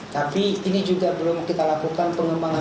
tapi ini juga belum kita lakukan pengembangan